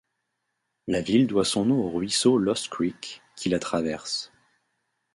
La ville doit son nom au ruisseau Lost Creek, qui la traverse.